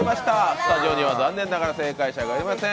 スタジオには残念ながら正解者がいません。